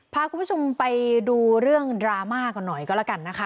พาคุณผู้ชมไปดูเรื่องดราม่ากันหน่อยก็แล้วกันนะคะ